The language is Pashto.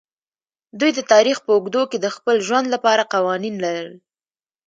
دوی د تاریخ په اوږدو کې د خپل ژوند لپاره قوانین لرل.